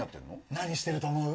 何してると思う？